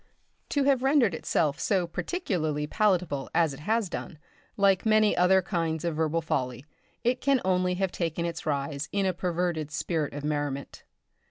To have rendered itself so particularly palatable as it has done, like many other kinds of verbal folly, it can only have taken its rise in a perverted spirit of merriment.